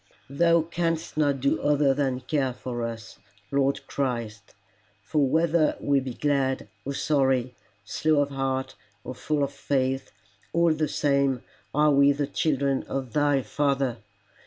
Thou canst not do other than care for us, Lord Christ, for whether we be glad or sorry, slow of heart or full of faith, all the same are we the children of thy Father.